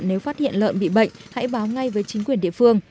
nếu phát hiện lợn bị bệnh hãy báo ngay với chính quyền địa phương